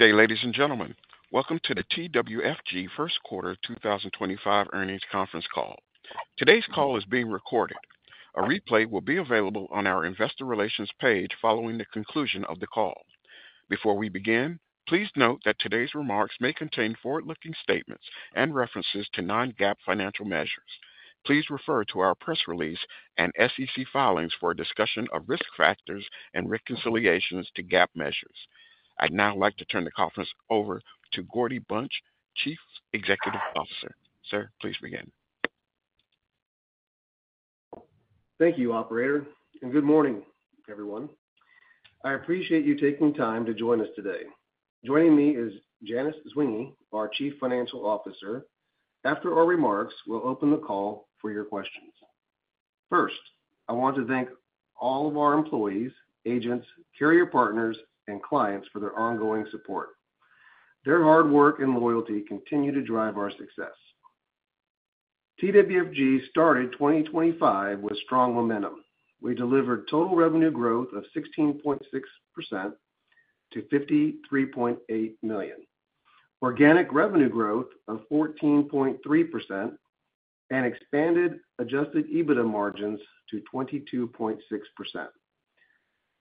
Good day, ladies and gentlemen. Welcome to the TWFG First Quarter 2025 Earnings Conference Call. Today's call is being recorded. A replay will be available on our investor relations page following the conclusion of the call. Before we begin, please note that today's remarks may contain forward-looking statements and references to non-GAAP financial measures. Please refer to our press release and SEC filings for a discussion of risk factors and reconciliations to GAAP measures. I'd now like to turn the conference over to Gordy Bunch, Chief Executive Officer. Sir, please begin. Thank you, Operator, and good morning, everyone. I appreciate you taking time to join us today. Joining me is Janice Zwinggi, our Chief Financial Officer. After our remarks, we'll open the call for your questions. First, I want to thank all of our employees, agents, carrier partners, and clients for their ongoing support. Their hard work and loyalty continue to drive our success. TWFG started 2025 with strong momentum. We delivered total revenue growth of 16.6% to $53.8 million, organic revenue growth of 14.3%, and expanded adjusted EBITDA margins to 22.6%.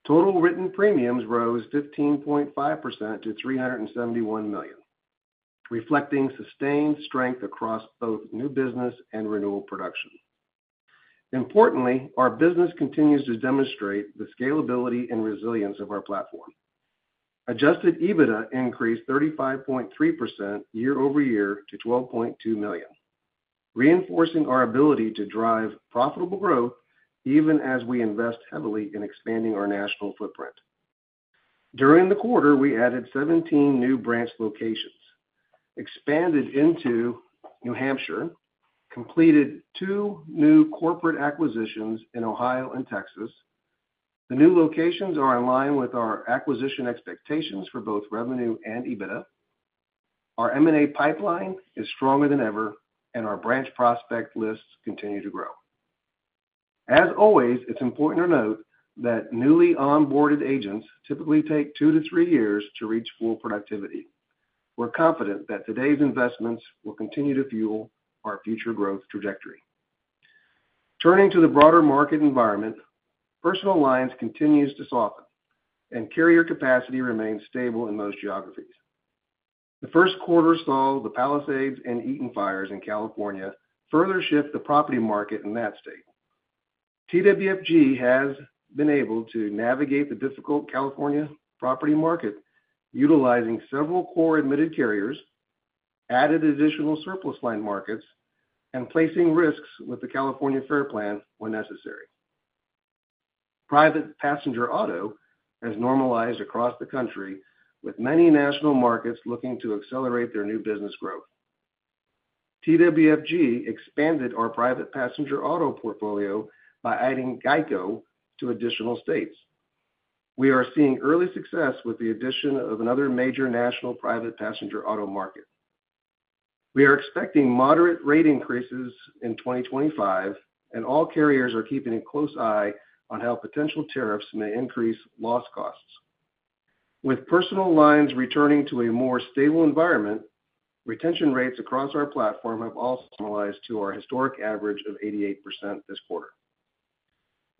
Total written premiums rose 15.5% to $371 million, reflecting sustained strength across both new business and renewal production. Importantly, our business continues to demonstrate the scalability and resilience of our platform. Adjusted EBITDA increased 35.3% year over year to $12.2 million, reinforcing our ability to drive profitable growth even as we invest heavily in expanding our national footprint. During the quarter, we added 17 new branch locations, expanded into New Hampshire, and completed two new corporate acquisitions in Ohio and Texas. The new locations are in line with our acquisition expectations for both revenue and EBITDA. Our M&A pipeline is stronger than ever, and our branch prospect lists continue to grow. As always, it's important to note that newly onboarded agents typically take two to three years to reach full productivity. We're confident that today's investments will continue to fuel our future growth trajectory. Turning to the broader market environment, personal lines continue to soften, and carrier capacity remains stable in most geographies. The first quarter saw the Palisades and Eaton fires in California further shift the property market in that state. TWFG has been able to navigate the difficult California property market, utilizing several core admitted carriers, added additional surplus line markets, and placing risks with the California FAIR Plan when necessary. Private passenger auto has normalized across the country, with many national markets looking to accelerate their new business growth. TWFG expanded our private passenger auto portfolio by adding GEICO to additional states. We are seeing early success with the addition of another major national private passenger auto market. We are expecting moderate rate increases in 2025, and all carriers are keeping a close eye on how potential tariffs may increase loss costs. With personal lines returning to a more stable environment, retention rates across our platform have also normalized to our historic average of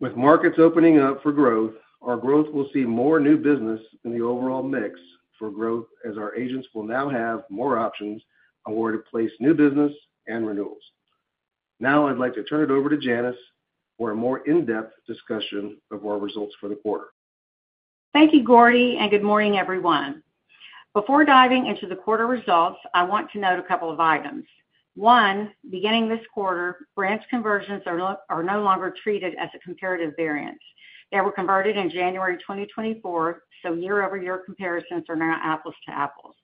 88% this quarter. With markets opening up for growth, our growth will see more new business in the overall mix for growth, as our agents will now have more options on where to place new business and renewals. Now, I'd like to turn it over to Janice for a more in-depth discussion of our results for the quarter. Thank you, Gordy, and good morning, everyone. Before diving into the quarter results, I want to note a couple of items. One, beginning this quarter, branch conversions are no longer treated as a comparative variance. They were converted in January 2024, so year-over-year comparisons are now apples to apples.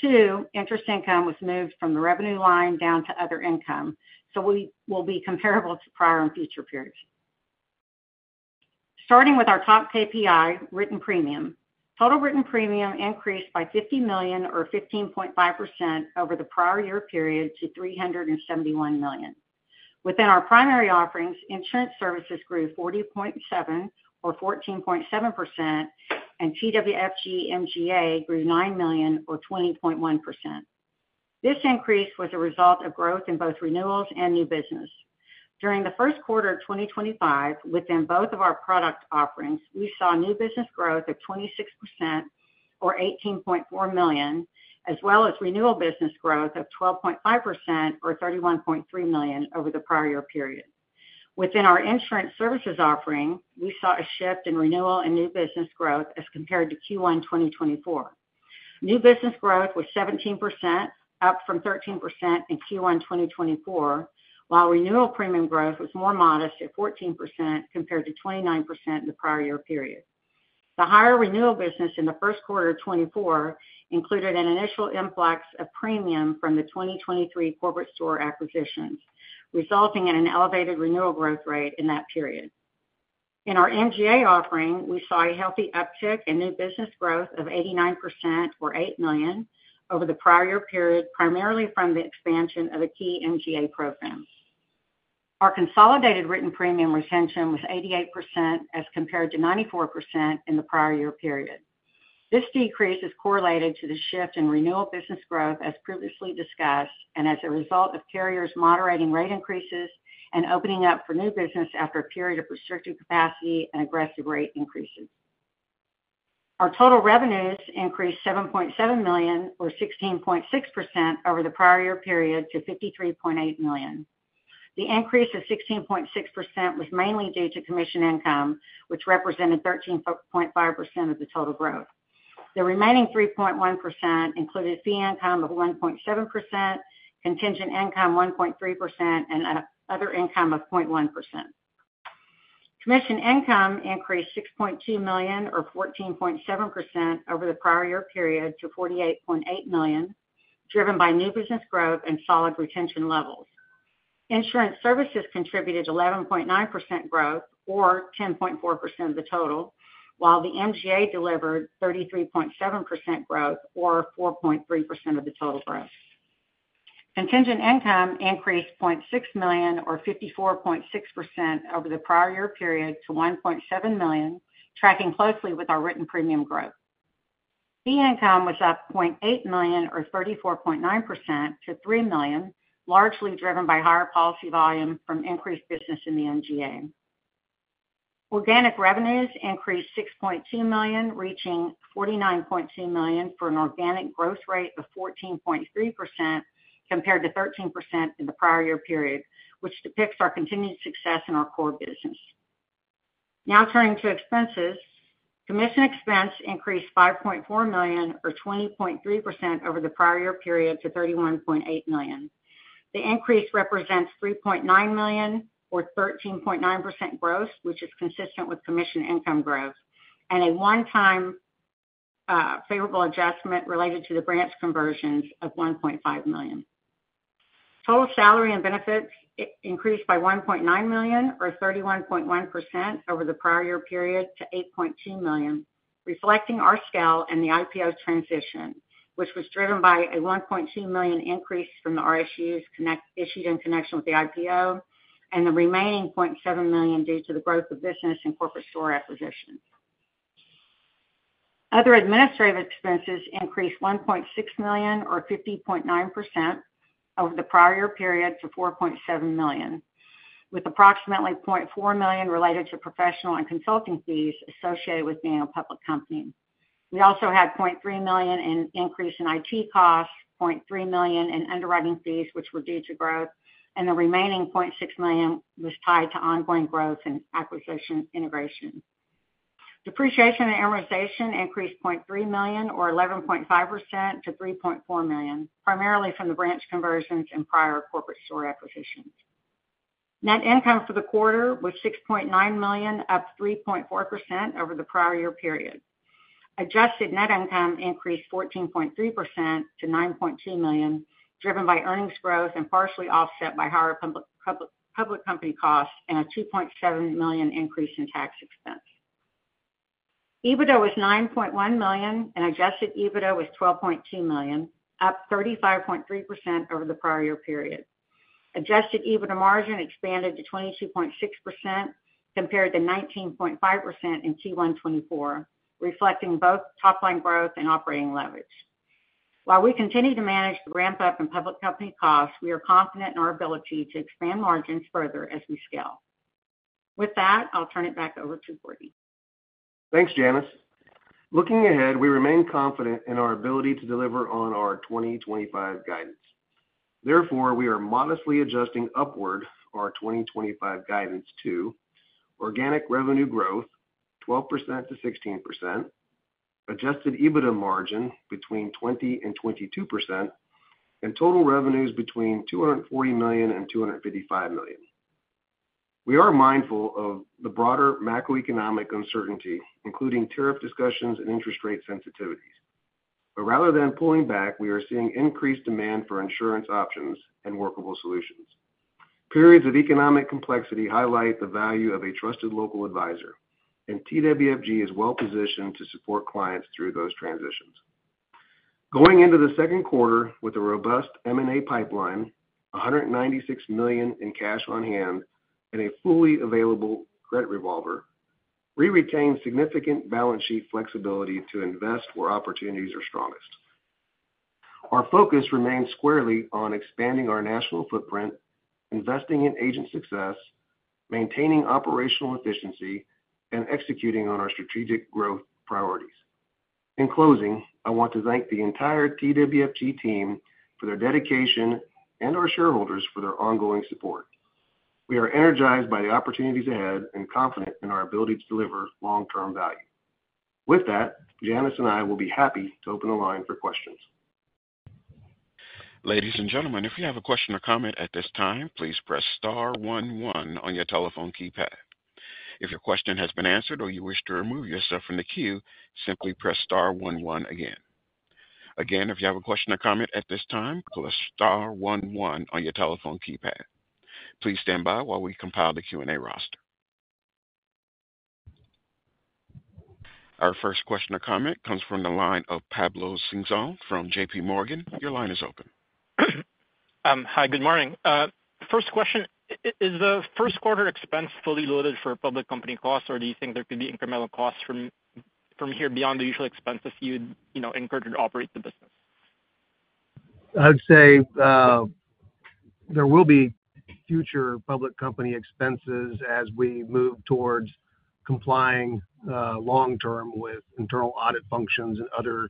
Two, interest income was moved from the revenue line down to other income, so we will be comparable to prior and future periods. Starting with our top KPI, written premium, total written premium increased by $50 million, or 15.5%, over the prior year period to $371 million. Within our primary offerings, insurance services grew $40.7 million, or 14.7%, and TWFG MGA grew $9 million, or 20.1%. This increase was a result of growth in both renewals and new business. During the first quarter of 2025, within both of our product offerings, we saw new business growth of 26%, or $18.4 million, as well as renewal business growth of 12.5%, or $31.3 million over the prior year period. Within our insurance services offering, we saw a shift in renewal and new business growth as compared to Q1 2024. New business growth was 17%, up from 13% in Q1 2024, while renewal premium growth was more modest at 14% compared to 29% in the prior year period. The higher renewal business in the first quarter of 2024 included an initial influx of premium from the 2023 corporate store acquisitions, resulting in an elevated renewal growth rate in that period. In our MGA offering, we saw a healthy uptick in new business growth of 89%, or $8 million, over the prior year period, primarily from the expansion of the key MGA program. Our consolidated written premium retention was 88% as compared to 94% in the prior year period. This decrease is correlated to the shift in renewal business growth, as previously discussed, and as a result of carriers moderating rate increases and opening up for new business after a period of restricted capacity and aggressive rate increases. Our total revenues increased $7.7 million, or 16.6%, over the prior year period to $53.8 million. The increase of 16.6% was mainly due to commission income, which represented 13.5% of the total growth. The remaining 3.1% included fee income of 1.7%, contingent income 1.3%, and other income of 0.1%. Commission income increased $6.2 million, or 14.7%, over the prior year period to $48.8 million, driven by new business growth and solid retention levels. Insurance services contributed 11.9% growth, or 10.4% of the total, while the MGA delivered 33.7% growth, or 4.3% of the total growth. Contingent income increased $0.6 million, or 54.6%, over the prior year period to $1.7 million, tracking closely with our written premium growth. Fee income was up $0.8 million, or 34.9%, to $3 million, largely driven by higher policy volume from increased business in the MGA. Organic revenues increased $6.2 million, reaching $49.2 million for an organic growth rate of 14.3% compared to 13% in the prior year period, which depicts our continued success in our core business. Now turning to expenses, commission expense increased $5.4 million, or 20.3%, over the prior year period to $31.8 million. The increase represents $3.9 million, or 13.9% growth, which is consistent with commission income growth, and a one-time favorable adjustment related to the branch conversions of $1.5 million. Total salary and benefits increased by $1.9 million, or 31.1%, over the prior year period to $8.2 million, reflecting our scale and the IPO transition, which was driven by a $1.2 million increase from the RSUs issued in connection with the IPO and the remaining $0.7 million due to the growth of business and corporate store acquisitions. Other administrative expenses increased $1.6 million, or 50.9%, over the prior year period to $4.7 million, with approximately $0.4 million related to professional and consulting fees associated with being a public company. We also had $0.3 million in increase in IT costs, $0.3 million in underwriting fees, which were due to growth, and the remaining $0.6 million was tied to ongoing growth and acquisition integration. Depreciation and amortization increased $0.3 million, or 11.5%, to $3.4 million, primarily from the branch conversions and prior corporate store acquisitions. Net income for the quarter was $6.9 million, up 3.4% over the prior year period. Adjusted net income increased 14.3% to $9.2 million, driven by earnings growth and partially offset by higher public company costs and a $2.7 million increase in tax expense. EBITDA was $9.1 million, and adjusted EBITDA was $12.2 million, up 35.3% over the prior year period. Adjusted EBITDA margin expanded to 22.6% compared to 19.5% in Q1 2024, reflecting both top-line growth and operating leverage. While we continue to manage the ramp-up in public company costs, we are confident in our ability to expand margins further as we scale. With that, I'll turn it back over to Gordy. Thanks, Janice. Looking ahead, we remain confident in our ability to deliver on our 2025 guidance. Therefore, we are modestly adjusting upward our 2025 guidance to organic revenue growth 12%-16%, adjusted EBITDA margin between 20%-22%, and total revenues between $240 million-$255 million. We are mindful of the broader macroeconomic uncertainty, including tariff discussions and interest rate sensitivities. Rather than pulling back, we are seeing increased demand for insurance options and workable solutions. Periods of economic complexity highlight the value of a trusted local advisor, and TWFG is well-positioned to support clients through those transitions. Going into the second quarter with a robust M&A pipeline, $196 million in cash on hand, and a fully available credit revolver, we retain significant balance sheet flexibility to invest where opportunities are strongest. Our focus remains squarely on expanding our national footprint, investing in agent success, maintaining operational efficiency, and executing on our strategic growth priorities. In closing, I want to thank the entire TWFG team for their dedication and our shareholders for their ongoing support. We are energized by the opportunities ahead and confident in our ability to deliver long-term value. With that, Janice and I will be happy to open the line for questions. Ladies and gentlemen, if you have a question or comment at this time, please press Star one one on your telephone keypad. If your question has been answered or you wish to remove yourself from the queue, simply press Star one one again. Again, if you have a question or comment at this time, press Star one one on your telephone keypad. Please stand by while we compile the Q&A roster. Our first question or comment comes from the line of Pablo Singzon from JPMorgan. Your line is open. Hi, good morning. First question, is the first quarter expense fully loaded for public company costs, or do you think there could be incremental costs from here beyond the usual expenses you incurred to operate the business? I'd say there will be future public company expenses as we move towards complying long-term with internal audit functions and other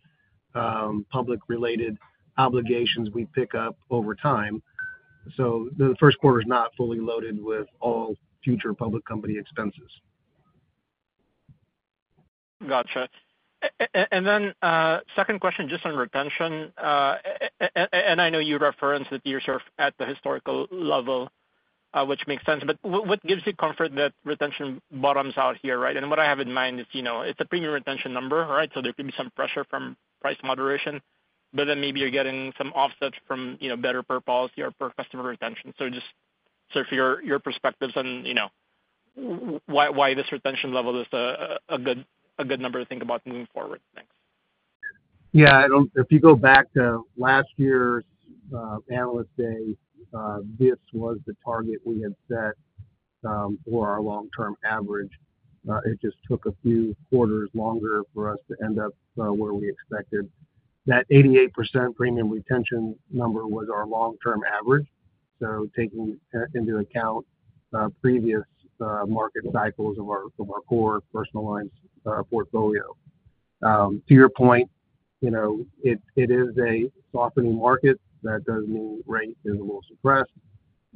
public-related obligations we pick up over time. The first quarter is not fully loaded with all future public company expenses. Gotcha. Then second question, just on retention, and I know you referenced that you're sort of at the historical level, which makes sense, but what gives you comfort that retention bottoms out here, right? What I have in mind is it's a premium retention number, right? There could be some pressure from price moderation, but then maybe you're getting some offset from better per policy or per customer retention. Just sort of your perspectives on why this retention level is a good number to think about moving forward. Thanks. Yeah, if you go back to last year's analyst day, this was the target we had set for our long-term average. It just took a few quarters longer for us to end up where we expected. That 88% premium retention number was our long-term average, so taking into account previous market cycles of our core personal lines portfolio. To your point, it is a softening market. That does mean rate is a little suppressed,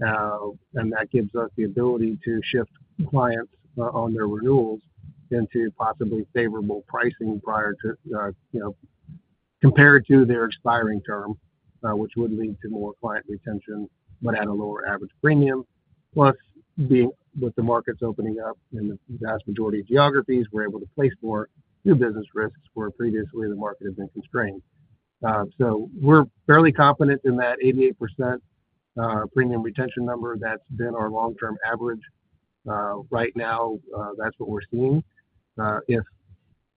and that gives us the ability to shift clients on their renewals into possibly favorable pricing prior to compared to their expiring term, which would lead to more client retention, but at a lower average premium. Plus, with the markets opening up in the vast majority of geographies, we're able to place more new business risks where previously the market had been constrained. We are fairly confident in that 88% premium retention number. That's been our long-term average. Right now, that's what we're seeing. If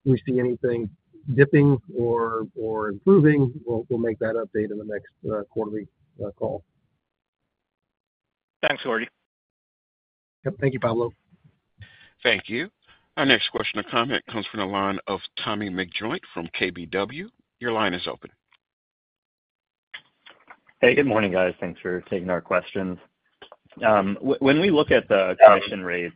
we see anything dipping or improving, we'll make that update in the next quarterly call. Thanks, Gordy. Yep, thank you, Pablo. Thank you. Our next question or comment comes from the line of Tommy McJoynt from KBW. Your line is open. Hey, good morning, guys. Thanks for taking our questions. When we look at the commission rates,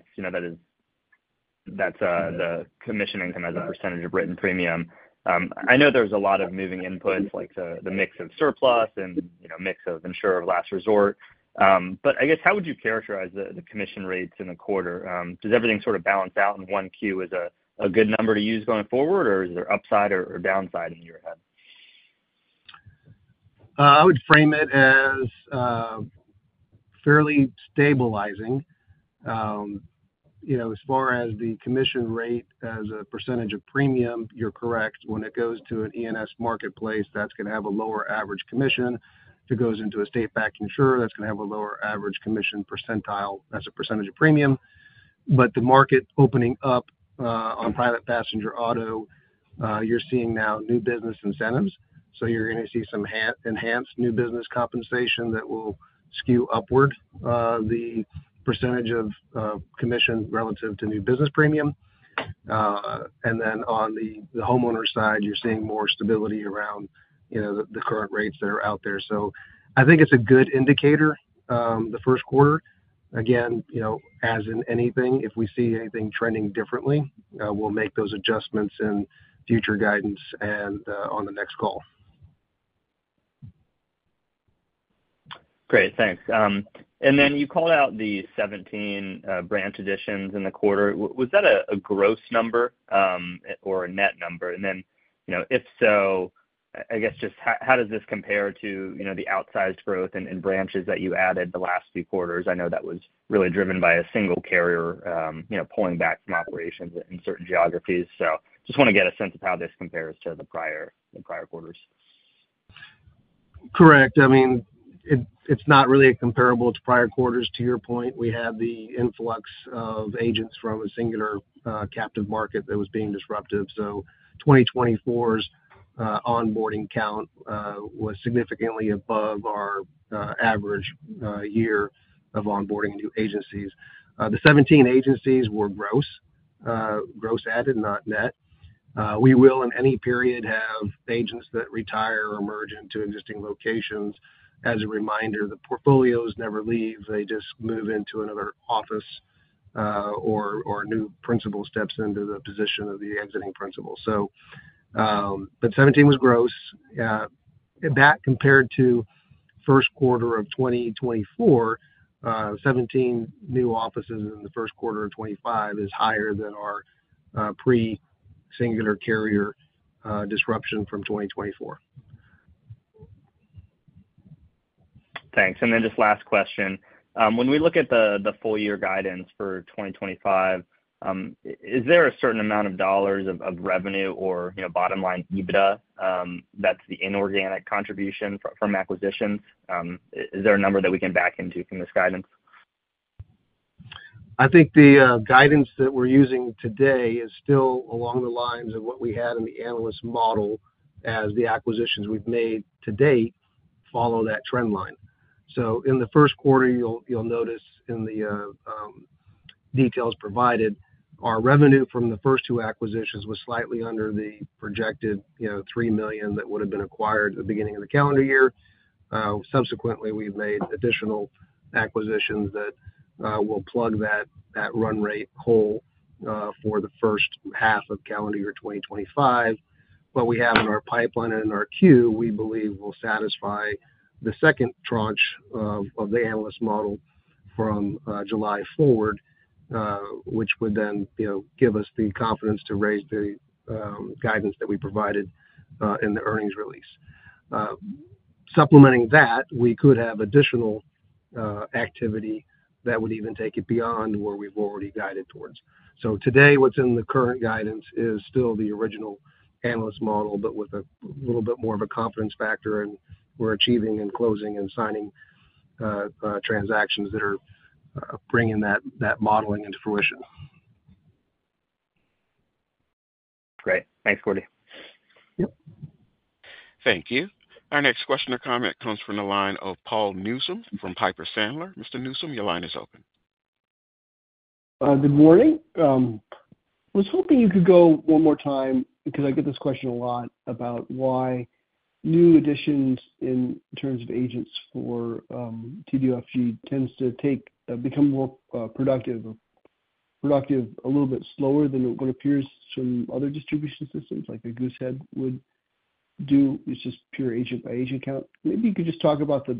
that's the commission income as a percentage of written premium. I know there's a lot of moving inputs, like the mix of surplus and mix of insurer of last resort. I guess, how would you characterize the commission rates in the quarter? Does everything sort of balance out in one Q as a good number to use going forward, or is there upside or downside in your head? I would frame it as fairly stabilizing. As far as the commission rate as a percentage of premium, you're correct. When it goes to an E&S marketplace, that's going to have a lower average commission. If it goes into a state-backed insurer, that's going to have a lower average commission percentile as a percentage of premium. The market opening up on private passenger auto, you're seeing now new business incentives. You're going to see some enhanced new business compensation that will skew upward the percentage of commission relative to new business premium. On the homeowner side, you're seeing more stability around the current rates that are out there. I think it's a good indicator the first quarter. Again, as in anything, if we see anything trending differently, we'll make those adjustments in future guidance and on the next call. Great, thanks. Then you called out the 17 branch additions in the quarter. Was that a gross number or a net number? If so, I guess just how does this compare to the outsized growth in branches that you added the last few quarters? I know that was really driven by a single carrier pulling back from operations in certain geographies. Just want to get a sense of how this compares to the prior quarters. Correct. I mean, it's not really comparable to prior quarters. To your point, we had the influx of agents from a singular captive market that was being disruptive. So 2024's onboarding count was significantly above our average year of onboarding new agencies. The 17 agencies were gross, gross added, not net. We will, in any period, have agents that retire or merge into existing locations. As a reminder, the portfolios never leave. They just move into another office or a new principal steps into the position of the exiting principal. 17 was gross. That compared to first quarter of 2024, 17 new offices in the first quarter of 2025 is higher than our pre-singular carrier disruption from 2024. Thanks. And then just last question. When we look at the full-year guidance for 2025, is there a certain amount of dollars of revenue or bottom-line EBITDA that's the inorganic contribution from acquisitions? Is there a number that we can back into from this guidance? I think the guidance that we're using today is still along the lines of what we had in the analyst model as the acquisitions we've made to date follow that trend line. In the first quarter, you'll notice in the details provided, our revenue from the first two acquisitions was slightly under the projected $3 million that would have been acquired at the beginning of the calendar year. Subsequently, we've made additional acquisitions that will plug that run rate hole for the first half of calendar year 2025. What we have in our pipeline and in our queue, we believe, will satisfy the second tranche of the analyst model from July forward, which would then give us the confidence to raise the guidance that we provided in the earnings release. Supplementing that, we could have additional activity that would even take it beyond where we've already guided towards. Today, what's in the current guidance is still the original analyst model, but with a little bit more of a confidence factor in where achieving and closing and signing transactions that are bringing that modeling into fruition. Great. Thanks, Gordy. Yep. Thank you. Our next question or comment comes from the line of Paul Newsome from Piper Sandler. Mr. Newsome, your line is open. Good morning. I was hoping you could go one more time because I get this question a lot about why new additions in terms of agents for TWFG tends to become more productive a little bit slower than what appears some other distribution systems like a Goosehead would do. It is just pure agent-by-agent count. Maybe you could just talk about the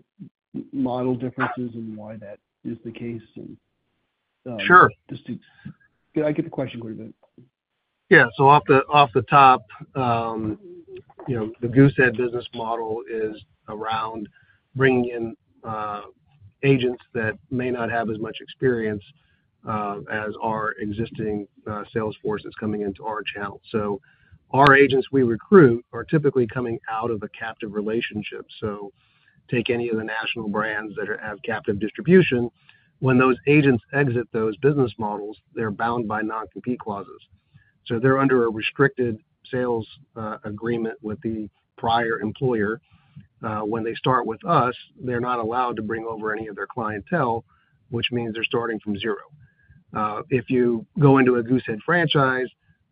model differences and why that is the case. Sure. Did I get the question quite a bit? Yeah. Off the top, the Goosehead business model is around bringing in agents that may not have as much experience as our existing salesforce that's coming into our channel. Our agents we recruit are typically coming out of a captive relationship. Take any of the national brands that have captive distribution. When those agents exit those business models, they're bound by non-compete clauses. They're under a restricted sales agreement with the prior employer. When they start with us, they're not allowed to bring over any of their clientele, which means they're starting from zero. If you go into a Goosehead franchise,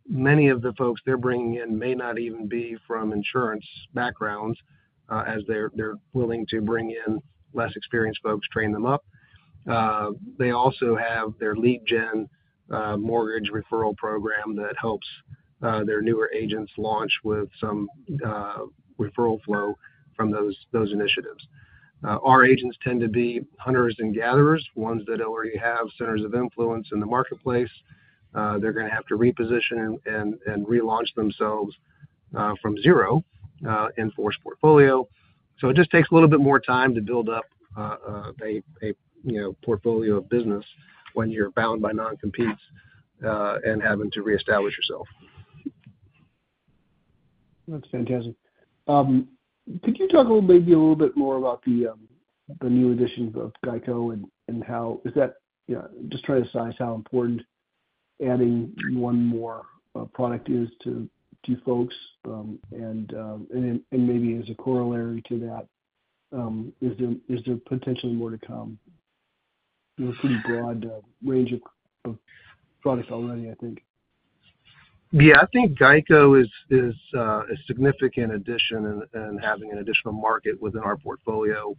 many of the folks they're bringing in may not even be from insurance backgrounds as they're willing to bring in less experienced folks, train them up. They also have their lead gen mortgage referral program that helps their newer agents launch with some referral flow from those initiatives. Our agents tend to be hunters and gatherers, ones that already have centers of influence in the marketplace. They're going to have to reposition and relaunch themselves from zero in force portfolio. It just takes a little bit more time to build up a portfolio of business when you're bound by non-competes and having to reestablish yourself. That's fantastic. Could you talk maybe a little bit more about the new additions of GEICO and how is that just trying to size how important adding one more product is to folks? Maybe as a corollary to that, is there potentially more to come? There's a pretty broad range of products already, I think. Yeah, I think GEICO is a significant addition in having an additional market within our portfolio.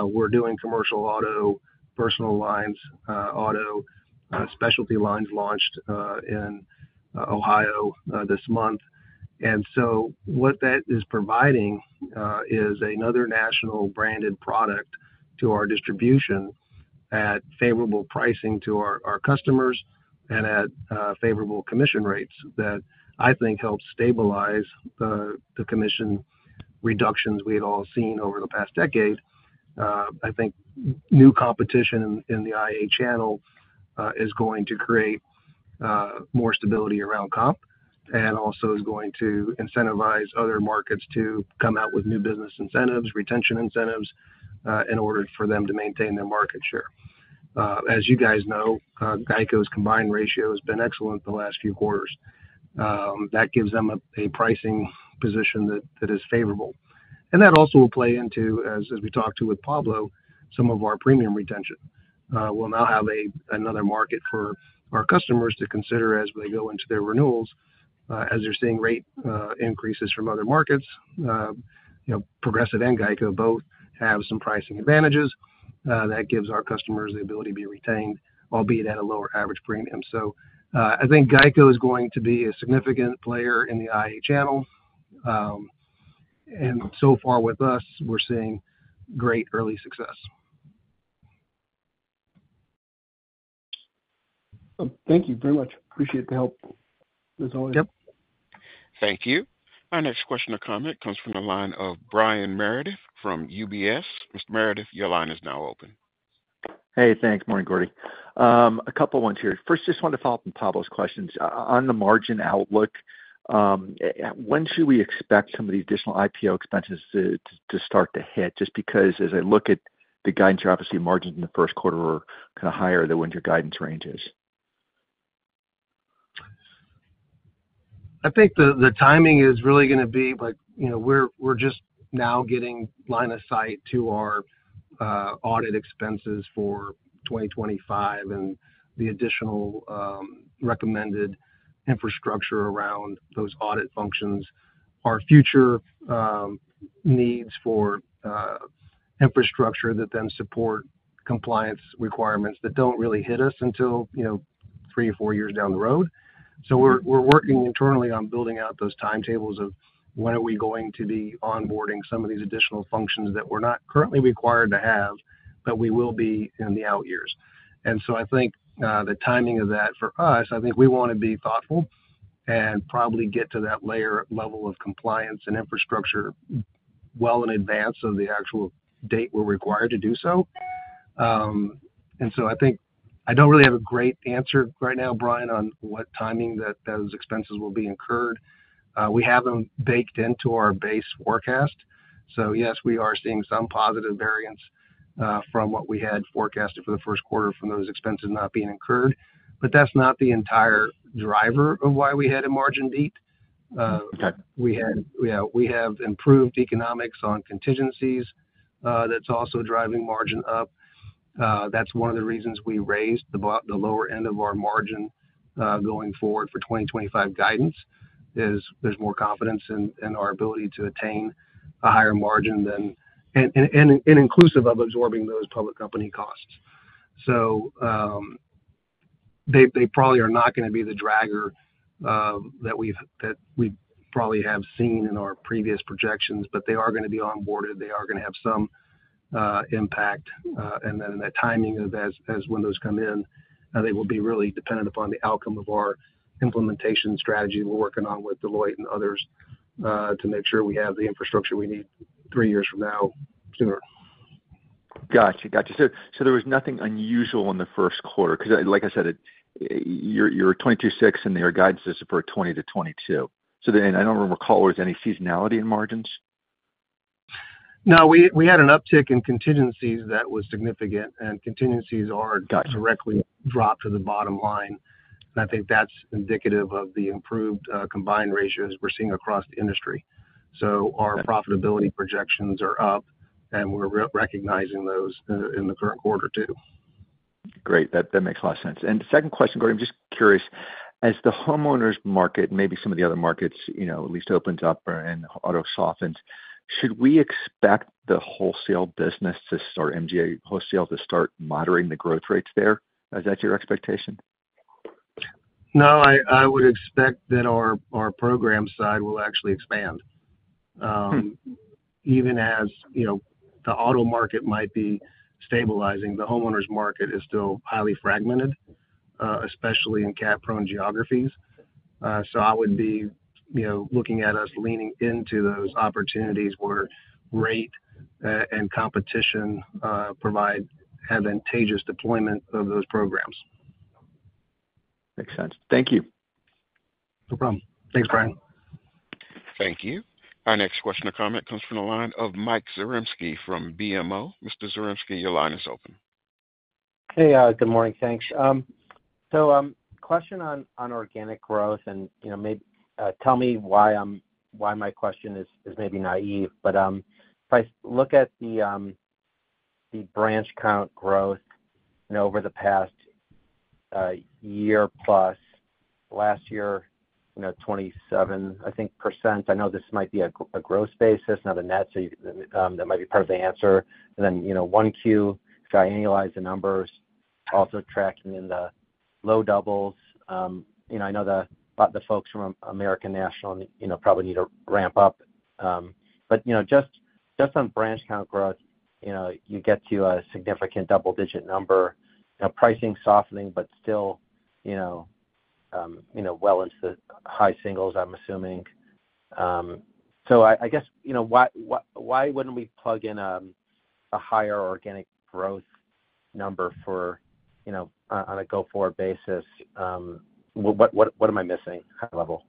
We're doing commercial auto, personal lines, auto specialty lines launched in Ohio this month. What that is providing is another national branded product to our distribution at favorable pricing to our customers and at favorable commission rates that I think helps stabilize the commission reductions we've all seen over the past decade. I think new competition in the IA channel is going to create more stability around comp and also is going to incentivize other markets to come out with new business incentives, retention incentives in order for them to maintain their market share. As you guys know, GEICO's combined ratio has been excellent the last few quarters. That gives them a pricing position that is favorable. That also will play into, as we talked to with Pablo, some of our premium retention. We'll now have another market for our customers to consider as they go into their renewals as they're seeing rate increases from other markets. Progressive and GEICO both have some pricing advantages. That gives our customers the ability to be retained, albeit at a lower average premium. I think GEICO is going to be a significant player in the IA channel. So far with us, we're seeing great early success. Thank you very much. Appreciate the help as always. Yep. Thank you. Our next question or comment comes from the line of Brian Meredith from UBS. Mr. Meredith, your line is now open. Hey, thanks. Morning, Gordy. A couple of ones here. First, just wanted to follow up on Pablo's questions. On the margin outlook, when should we expect some of these additional IPO expenses to start to hit? Just because as I look at the guidance, your obviously margins in the first quarter are kind of higher than when your guidance range is. I think the timing is really going to be we're just now getting line of sight to our audit expenses for 2025 and the additional recommended infrastructure around those audit functions. Our future needs for infrastructure that then support compliance requirements that do not really hit us until three or four years down the road. We are working internally on building out those timetables of when are we going to be onboarding some of these additional functions that we are not currently required to have, but we will be in the out years. I think the timing of that for us, I think we want to be thoughtful and probably get to that layer level of compliance and infrastructure well in advance of the actual date we are required to do so. I think I do not really have a great answer right now, Brian, on what timing those expenses will be incurred. We have them baked into our base forecast. Yes, we are seeing some positive variance from what we had forecasted for the first quarter from those expenses not being incurred. That is not the entire driver of why we had a margin beat. We have improved economics on contingencies that is also driving margin up. That is one of the reasons we raised the lower end of our margin going forward for 2025 guidance is there is more confidence in our ability to attain a higher margin and inclusive of absorbing those public company costs. They probably are not going to be the dragger that we probably have seen in our previous projections, but they are going to be onboarded. They are going to have some impact. That timing of as when those come in, they will be really dependent upon the outcome of our implementation strategy we're working on with Deloitte and others to make sure we have the infrastructure we need three years from now or sooner. Gotcha. Gotcha. So there was nothing unusual in the first quarter? Because like I said, you're 2026 and your guidance is for 2020-2022. I don't recall there was any seasonality in margins? No, we had an uptick in contingencies that was significant. Contingencies are directly dropped to the bottom line. I think that's indicative of the improved combined ratios we're seeing across the industry. Our profitability projections are up and we're recognizing those in the current quarter too. Great. That makes a lot of sense. Second question, Gordy, I'm just curious, as the homeowners market and maybe some of the other markets at least opens up and auto softens, should we expect the wholesale business to start MGA wholesale to start moderating the growth rates there? Is that your expectation? No, I would expect that our program side will actually expand. Even as the auto market might be stabilizing, the homeowners market is still highly fragmented, especially in CAT-prone geographies. I would be looking at us leaning into those opportunities where rate and competition provide advantageous deployment of those programs. Makes sense. Thank you. No problem. Thanks, Brian. Thank you. Our next question or comment comes from the line of Mike Zaremski from BMO. Mr. Zaremski, your line is open. Hey, good morning. Thanks. Question on organic growth and maybe tell me why my question is maybe naive, but if I look at the branch count growth over the past year plus, last year, 27%, I think. I know this might be a gross basis, not a net, so that might be part of the answer. In one Q, if I annualize the numbers, also tracking in the low doubles. I know the folks from American National probably need to ramp up. Just on branch count growth, you get to a significant double-digit number, pricing softening, but still well into the high singles, I'm assuming. I guess why would we not plug in a higher organic growth number on a go-forward basis? What am I missing? High level.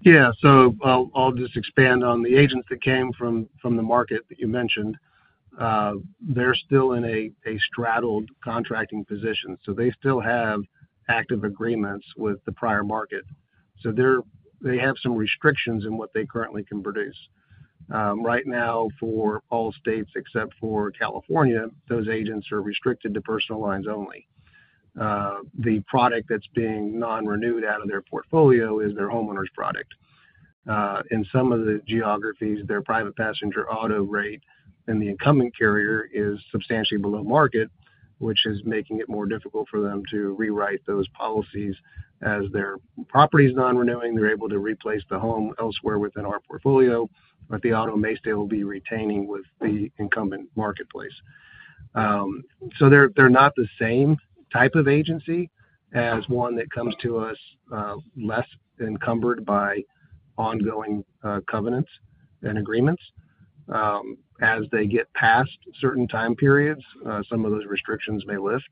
Yeah. I'll just expand on the agents that came from the market that you mentioned. They're still in a straddled contracting position. They still have active agreements with the prior market. They have some restrictions in what they currently can produce. Right now, for all states except for California, those agents are restricted to personal lines only. The product that's being non-renewed out of their portfolio is their homeowners product. In some of the geographies, their private passenger auto rate and the incumbent carrier is substantially below market, which is making it more difficult for them to rewrite those policies as their property is non-renewing. They're able to replace the home elsewhere within our portfolio, but the auto may still be retaining with the incumbent marketplace. They're not the same type of agency as one that comes to us less encumbered by ongoing covenants and agreements. As they get past certain time periods, some of those restrictions may lift.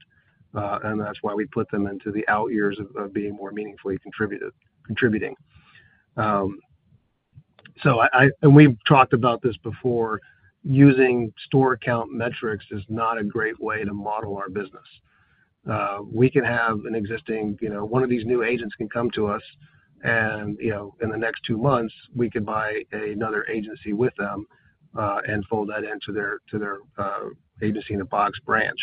That is why we put them into the out years of being more meaningfully contributing. We have talked about this before. Using store account metrics is not a great way to model our business. We can have an existing one of these new agents come to us, and in the next two months, we can buy another agency with them and fold that into their agency in a box branch.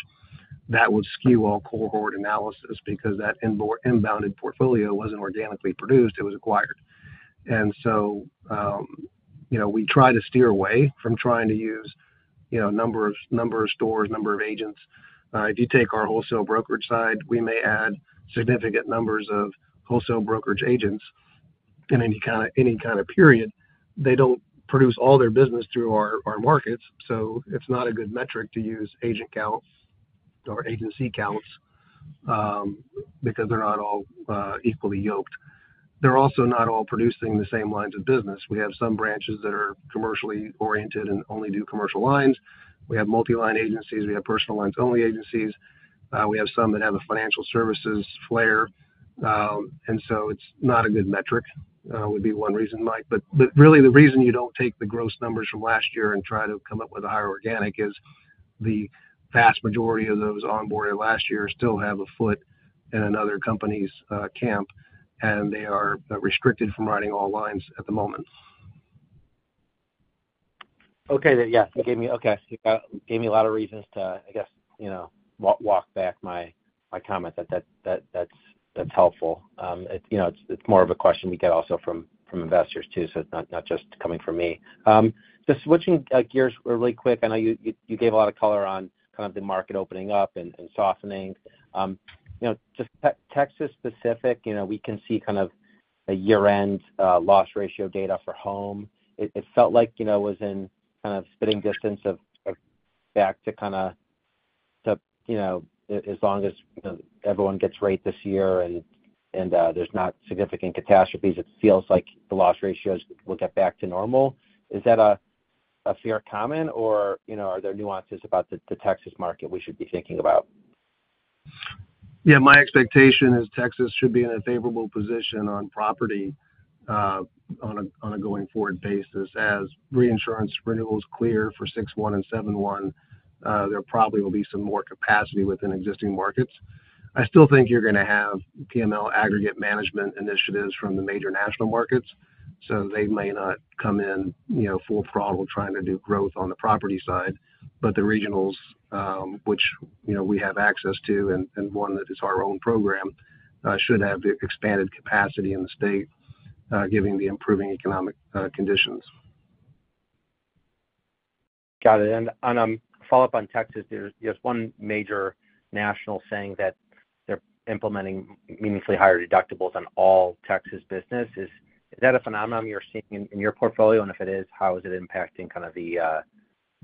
That would skew all cohort analysis because that inbounded portfolio was not organically produced. It was acquired. We try to steer away from trying to use number of stores, number of agents. If you take our wholesale brokerage side, we may add significant numbers of wholesale brokerage agents in any kind of period. They do not produce all their business through our markets. It is not a good metric to use agent counts or agency counts because they are not all equally yoked. They are also not all producing the same lines of business. We have some branches that are commercially oriented and only do commercial lines. We have multi-line agencies. We have personal lines-only agencies. We have some that have a financial services flair. It is not a good metric would be one reason, Mike. Really, the reason you do not take the gross numbers from last year and try to come up with a higher organic is the vast majority of those onboarded last year still have a foot in another company's camp, and they are restricted from writing all lines at the moment. Okay. Yeah. You gave me, okay, you gave me a lot of reasons to, I guess, walk back my comment. That's helpful. It's more of a question we get also from investors too, so it's not just coming from me. Just switching gears really quick, I know you gave a lot of color on kind of the market opening up and softening. Just Texas specific, we can see kind of a year-end loss ratio data for home. It felt like it was in kind of spitting distance of back to kind of as long as everyone gets right this year and there's not significant catastrophes, it feels like the loss ratios will get back to normal. Is that a fair comment, or are there nuances about the Texas market we should be thinking about? Yeah. My expectation is Texas should be in a favorable position on property on a going forward basis as reinsurance renewals clear for 6/1 and 7/1. There probably will be some more capacity within existing markets. I still think you're going to have PML aggregate management initiatives from the major national markets. They may not come in full throttle trying to do growth on the property side. The regionals, which we have access to and one that is our own program, should have expanded capacity in the state given the improving economic conditions. Got it. A follow-up on Texas. There is one major national saying that they are implementing meaningfully higher deductibles on all Texas businesses. Is that a phenomenon you are seeing in your portfolio? If it is, how is it impacting kind of the,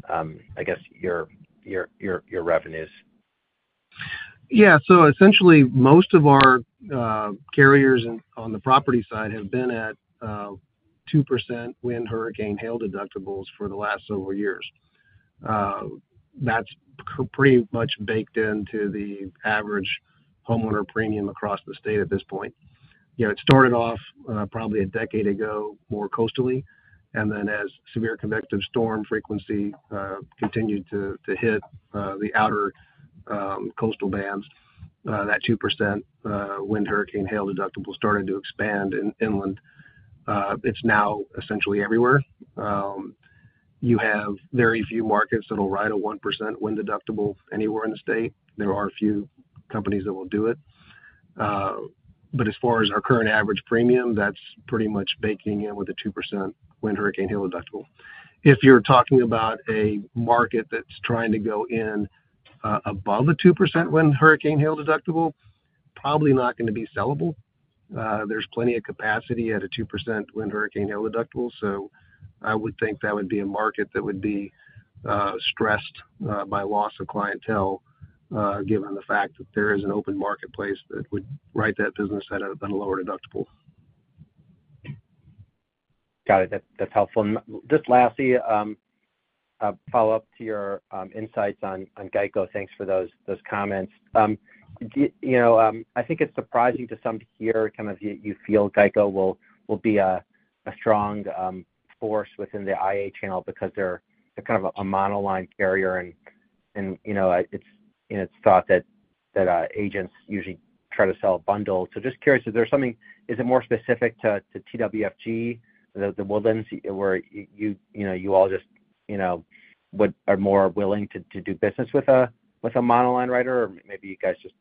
I guess, your revenues? Yeah. So essentially, most of our carriers on the property side have been at 2% wind, hurricane, hail deductibles for the last several years. That's pretty much baked into the average homeowner premium across the state at this point. It started off probably a decade ago more coastally. And then as severe convective storm frequency continued to hit the outer coastal bands, that 2% wind, hurricane, hail deductible started to expand inland. It's now essentially everywhere. You have very few markets that will write a 1% wind deductible anywhere in the state. There are a few companies that will do it. But as far as our current average premium, that's pretty much baking in with a 2% wind, hurricane, hail deductible. If you're talking about a market that's trying to go in above a 2% wind, hurricane, hail deductible, probably not going to be sellable. There's plenty of capacity at a 2% wind, hurricane, hail deductible. I would think that would be a market that would be stressed by loss of clientele given the fact that there is an open marketplace that would write that business at a lower deductible. Got it. That's helpful. Just lastly, a follow-up to your insights on GEICO. Thanks for those comments. I think it's surprising to some to hear kind of you feel GEICO will be a strong force within the IA channel because they're kind of a monoline carrier. It's thought that agents usually try to sell a bundle. Just curious, is there something, is it more specific to TWFG, The Woodlands, where you all just are more willing to do business with a monoline writer, or maybe you guys just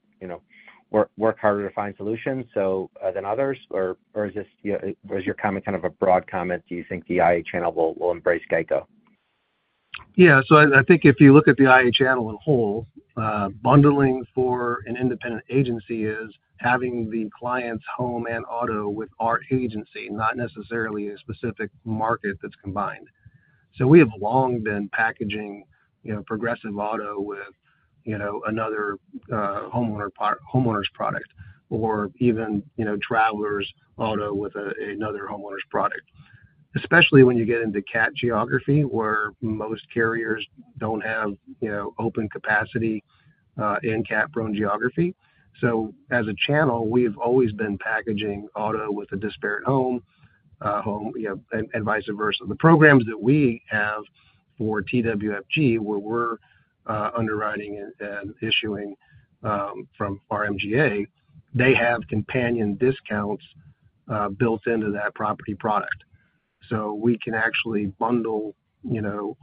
work harder to find solutions than others? Or is your comment kind of a broad comment? Do you think the IA channel will embrace GEICO? Yeah. So I think if you look at the IA channel in whole, bundling for an independent agency is having the client's home and auto with our agency, not necessarily a specific market that's combined. We have long been packaging Progressive auto with another homeowner's product or even Travelers' auto with another homeowner's product, especially when you get into CAT geography where most carriers do not have open capacity in CAT-prone geography. As a channel, we have always been packaging auto with a disparate home and vice versa. The programs that we have for TWFG, where we are underwriting and issuing from our MGA, have companion discounts built into that property product. We can actually bundle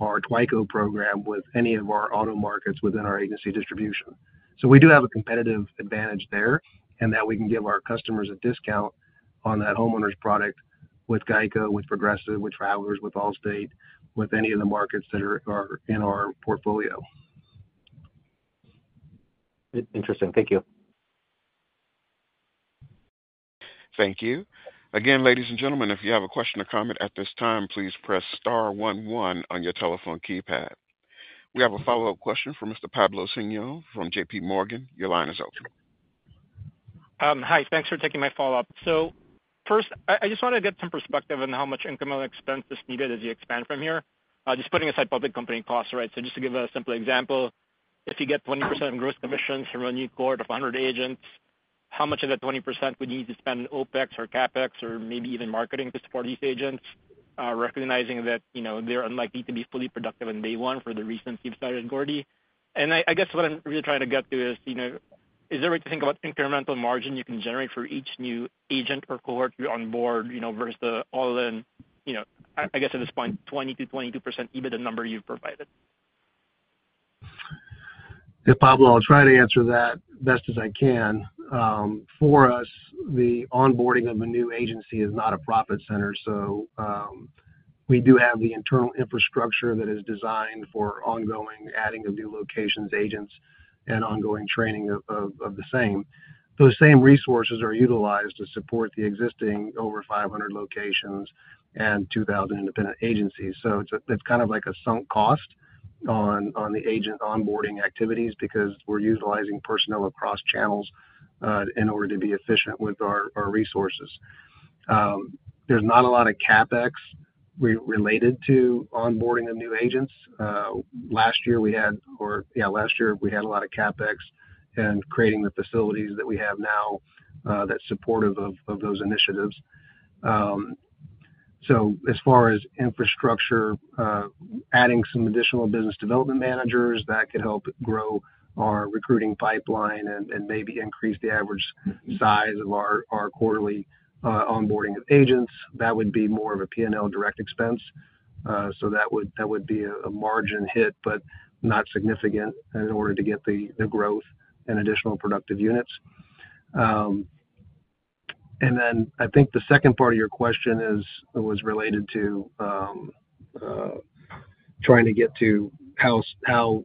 our TWICO program with any of our auto markets within our agency distribution. We do have a competitive advantage there in that we can give our customers a discount on that homeowner's product with GEICO, with Progressive, with Travelers, with Allstate, with any of the markets that are in our portfolio. Interesting. Thank you. Thank you. Again, ladies and gentlemen, if you have a question or comment at this time, please press Star one one on your telephone keypad. We have a follow-up question from Mr. Pablo Singzon from JPMorgan. Your line is open. Hi. Thanks for taking my follow-up. First, I just wanted to get some perspective on how much incremental expense is needed as you expand from here, just putting aside public company costs, right? Just to give a simple example, if you get 20% gross commissions from a new cohort of 100 agents, how much of that 20% would you need to spend on OpEx or CapEx or maybe even marketing to support these agents, recognizing that they're unlikely to be fully productive in day one for the reasons you've cited, Gordy? I guess what I'm really trying to get to is, is there a way to think about incremental margin you can generate for each new agent or cohort you onboard versus the all-in, I guess at this point, 20%-22%, given the number you've provided? Yeah, Pablo, I'll try to answer that best as I can. For us, the onboarding of a new agency is not a profit center. We do have the internal infrastructure that is designed for ongoing adding of new locations, agents, and ongoing training of the same. Those same resources are utilized to support the existing over 500 locations and 2,000 independent agencies. It is kind of like a sunk cost on the agent onboarding activities because we are utilizing personnel across channels in order to be efficient with our resources. There is not a lot of CapEx related to onboarding of new agents. Last year, we had, or yeah, last year, we had a lot of CapEx in creating the facilities that we have now that is supportive of those initiatives. As far as infrastructure, adding some additional business development managers that could help grow our recruiting pipeline and maybe increase the average size of our quarterly onboarding of agents, that would be more of a P&L direct expense. That would be a margin hit, but not significant in order to get the growth and additional productive units. I think the second part of your question was related to trying to get to how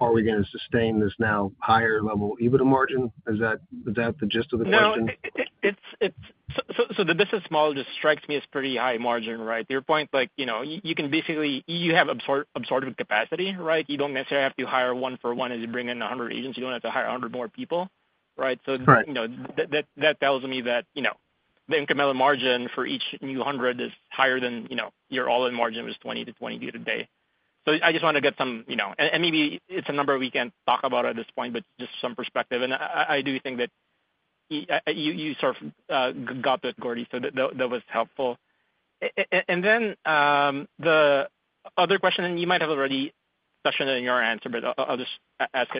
are we going to sustain this now, higher level EBITDA margin? Is that the gist of the question? No. So the business model just strikes me as pretty high margin, right? To your point, you can basically, you have absorbent capacity, right? You do not necessarily have to hire one for one as you bring in 100 agents. You do not have to hire 100 more people, right? That tells me that the incremental margin for each new 100 is higher than your all-in margin was 20%-22% today. I just wanted to get some, and maybe it is a number we can talk about at this point, but just some perspective. I do think that you sort of got that, Gordy, so that was helpful. The other question, and you might have already touched on it in your answer, but I will just ask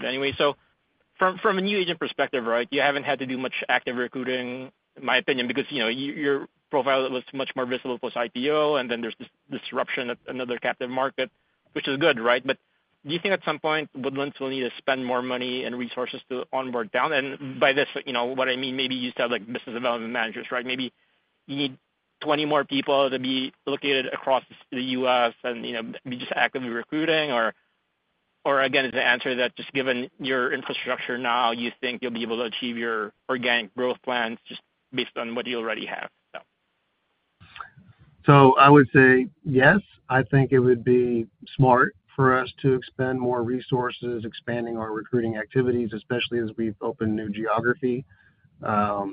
it anyway. From a new agent perspective, right, you haven't had to do much active recruiting, in my opinion, because your profile was much more visible post-IPO, and then there's this disruption of another captive market, which is good, right? Do you think at some point Woodlands will need to spend more money and resources to onboard down? By this, what I mean, maybe you used to have business development managers, right? Maybe you need 20 more people to be located across the U.S. and be just actively recruiting. Again, is the answer that just given your infrastructure now, you think you'll be able to achieve your organic growth plans just based on what you already have? I would say yes. I think it would be smart for us to expend more resources expanding our recruiting activities, especially as we've opened new geography. How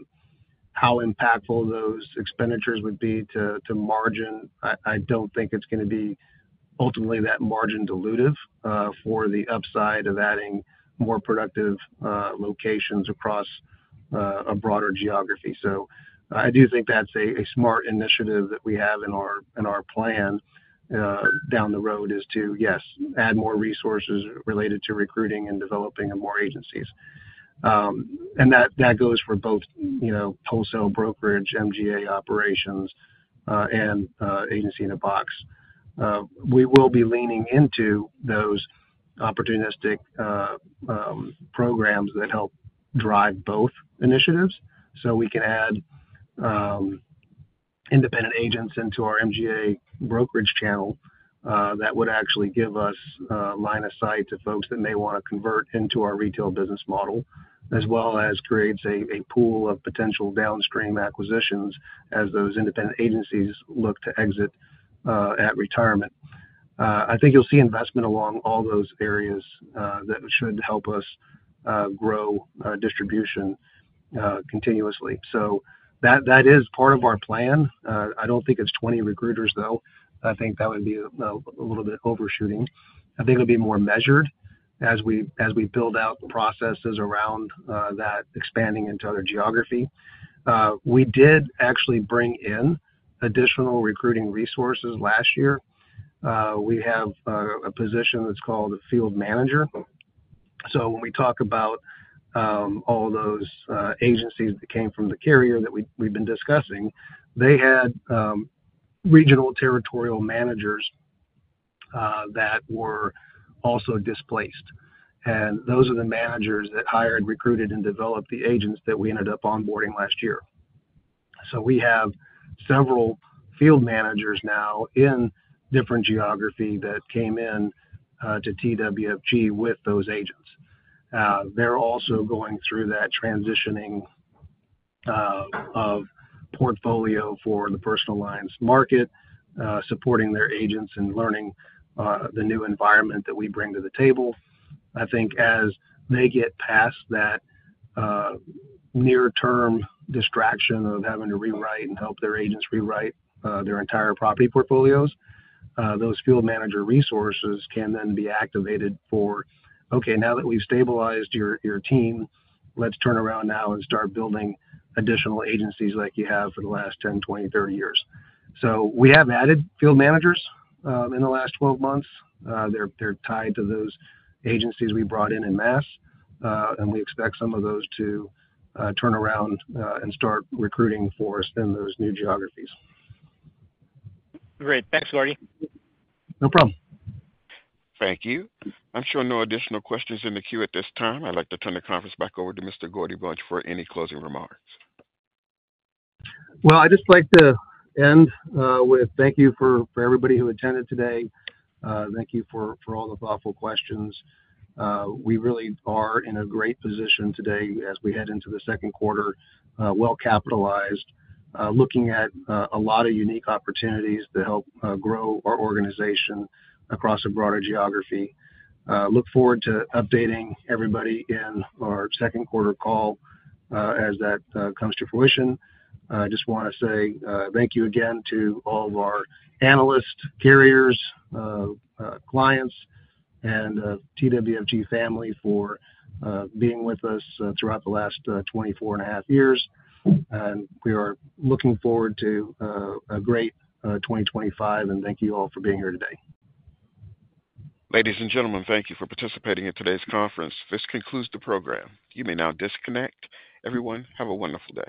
impactful those expenditures would be to margin, I don't think it's going to be ultimately that margin-dilutive for the upside of adding more productive locations across a broader geography. I do think that's a smart initiative that we have in our plan down the road is to, yes, add more resources related to recruiting and developing more agencies. That goes for both wholesale brokerage, MGA operations, and agency in a box. We will be leaning into those opportunistic programs that help drive both initiatives. We can add independent agents into our MGA brokerage channel that would actually give us line of sight to folks that may want to convert into our retail business model, as well as create a pool of potential downstream acquisitions as those independent agencies look to exit at retirement. I think you'll see investment along all those areas that should help us grow distribution continuously. That is part of our plan. I don't think it's 20 recruiters, though. I think that would be a little bit overshooting. I think it'll be more measured as we build out processes around that expanding into other geography. We did actually bring in additional recruiting resources last year. We have a position that's called a field manager. When we talk about all those agencies that came from the carrier that we've been discussing, they had regional territorial managers that were also displaced. Those are the managers that hired, recruited, and developed the agents that we ended up onboarding last year. We have several field managers now in different geography that came in to TWFG with those agents. They're also going through that transitioning of portfolio for the personal lines market, supporting their agents and learning the new environment that we bring to the table. I think as they get past that near-term distraction of having to rewrite and help their agents rewrite their entire property portfolios, those field manager resources can then be activated for, "Okay, now that we've stabilized your team, let's turn around now and start building additional agencies like you have for the last 10, 20, 30 years." We have added field managers in the last 12 months. They're tied to those agencies we brought in en masse. We expect some of those to turn around and start recruiting for us in those new geographies. Great. Thanks, Gordy. No problem. Thank you. I'm showing no additional questions in the queue at this time. I'd like to turn the conference back over to Mr. Gordy Bunch for any closing remarks. I just like to end with thank you for everybody who attended today. Thank you for all the thoughtful questions. We really are in a great position today as we head into the second quarter, well capitalized, looking at a lot of unique opportunities to help grow our organization across a broader geography. Look forward to updating everybody in our second quarter call as that comes to fruition. I just want to say thank you again to all of our analysts, carriers, clients, and TWFG family for being with us throughout the last 24.5 years. We are looking forward to a great 2025, and thank you all for being here today. Ladies and gentlemen, thank you for participating in today's conference. This concludes the program. You may now disconnect. Everyone, have a wonderful day.